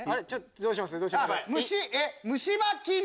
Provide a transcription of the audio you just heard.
どうします？